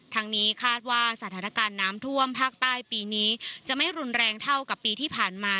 ทางนี้คาดว่าสถานการณ์น้ำท่วมภาคใต้ปีนี้จะไม่รุนแรงเท่ากับปีที่ผ่านมา